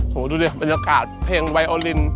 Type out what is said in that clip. ดูดิบรรยากาศเพลงไวโอลิน